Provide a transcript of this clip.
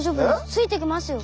ついてきますよ！